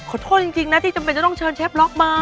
ขอโทษจริงนะที่จำเป็นจะต้องเชิญเชฟล็อกมา